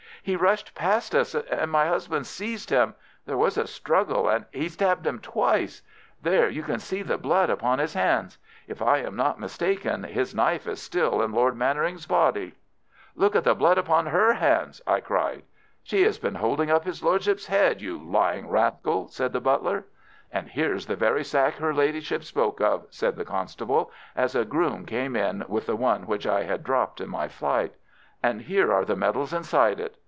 He rushed past us, and my husband seized him. There was a struggle, and he stabbed him twice. There you can see the blood upon his hands. If I am not mistaken, his knife is still in Lord Mannering's body." "Look at the blood upon her hands!" I cried. "She has been holding up his Lordship's head, you lying rascal," said the butler. "And here's the very sack her Ladyship spoke of," said the constable, as a groom came in with the one which I had dropped in my flight. "And here are the medals inside it.